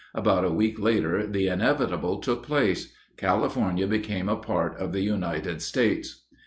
About a week later the inevitable took place. California became a part of the United States.